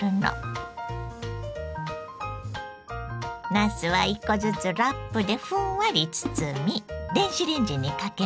なすは１個ずつラップでふんわり包み電子レンジにかけます。